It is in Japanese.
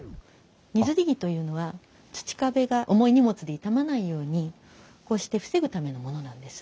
荷摺木というのは土壁が重い荷物で傷まないようにこうして防ぐためのものなんです。